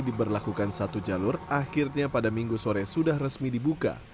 diberlakukan satu jalur akhirnya pada minggu sore sudah resmi dibuka